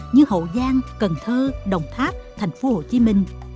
như hậu giang cần thơ đồng tháp thành phố hà nội